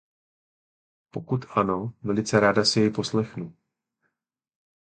Pokud ano, velice ráda si jej poslechnu.